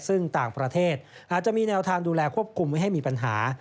ซึ่งต่างประเทศอาจจะมีแนวทางดูแลควบคุมไว้ให้มีปัญหา